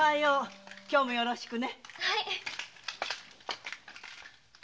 今日もよろしくね。